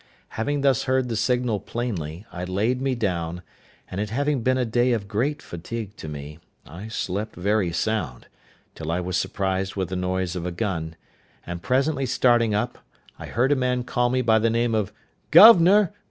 Having thus heard the signal plainly, I laid me down; and it having been a day of great fatigue to me, I slept very sound, till I was surprised with the noise of a gun; and presently starting up, I heard a man call me by the name of "Governor!